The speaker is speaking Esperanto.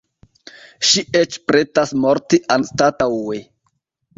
Ŝi eĉ pretas morti, anstataŭe.